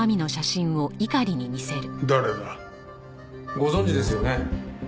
ご存じですよね。